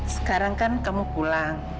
sekarang kan kamu pulang